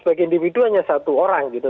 sebagai individu hanya satu orang gitu